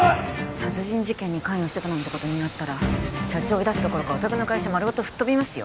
殺人事件に関与してたなんてことになったら社長追い出すどころかおたくの会社丸ごと吹っ飛びますよ